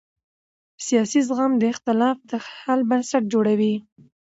سیاسي زغم د اختلاف د حل بنسټ جوړوي